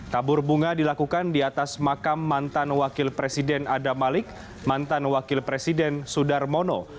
tabur bunga dilakukan di atas makam mantan wakil presiden adam malik mantan wakil presiden sudarmono